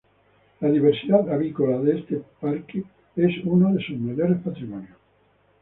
La diversidad "avícola" de este parque es uno de sus mayores patrimonios.